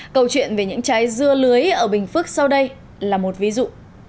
câu chuyện về những trái dưa lưới ở bình phước sau đây là một ví dụ